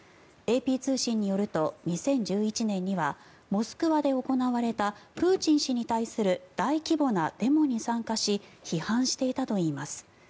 ＡＰ通信によると２０１１年にはモスクワで行われたプーチン氏に対する大規模なデモに参加し批判していたといいます。